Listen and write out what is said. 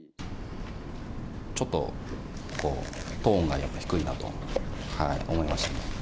ちょっとこう、トーンがやっぱ低いなと思いましたね。